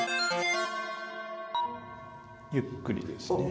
ゆっくりですね。